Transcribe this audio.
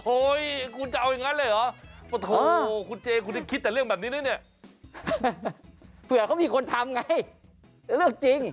โอ้โหคุณจะเอาอย่างงั้นเลยหรอ